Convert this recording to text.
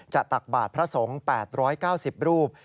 ตักบาทพระสงฆ์๘๙๐รูป